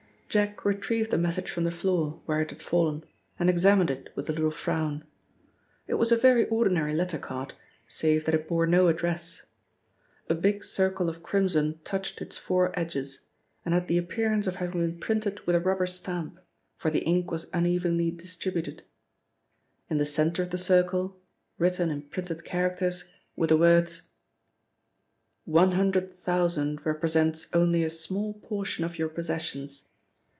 Jack retrieved the message from the floor, where it had fallen, and examined it with a little frown. It was a very ordinary letter card, save that it bore no address. A big circle of crimson touched its four edges, and had the appearance of having been printed with a rubber stamp, for the ink was unevenly distributed. In the centre of the circle, written in printed characters, were the words: "One hundred thousand represents only a small portion of your possessions.